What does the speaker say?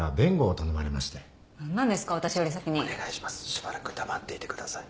しばらく黙っていてください。